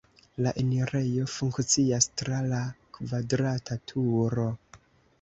La enirejo funkcias tra la kvadrata turo.